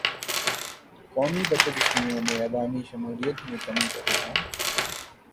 قومی بچت اسکیموں میں عوامی شمولیت میں کمی کا رحجان